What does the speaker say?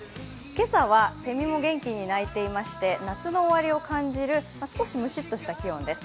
今朝はせみも元気に鳴いていまして夏の終わりを感じる少しむしっとした気温です。